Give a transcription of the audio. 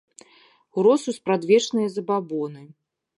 Урос у спрадвечныя забабоны.